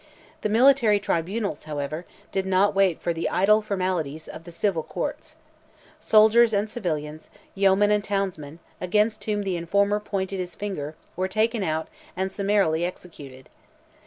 The military tribunals, however, did not wait for the idle formalities of the civil courts. Soldiers and civilians, yeomen and townsmen, against whom the informer pointed his finger, were taken out, and summarily executed.